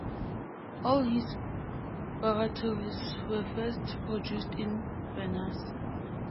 All his oratorios were first produced in Venice.